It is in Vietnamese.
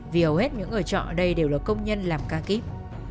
vì hầu hết những người trọ ở đây đều là công nhân làm ca kíp